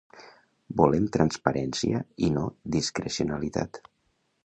Volem transparència i no discrecionalitat.